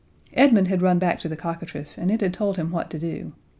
Edmund had run back to the cockatrice, and it had told him what to do.